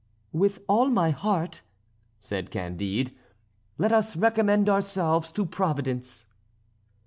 "With all my heart," said Candide, "let us recommend ourselves to Providence."